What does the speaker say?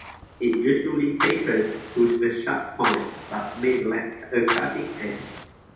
It usually tapers to a sharp point but may lack a cutting edge.